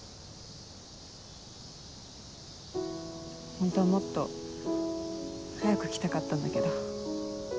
ホントはもっと早く来たかったんだけど。